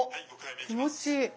気持ちいい。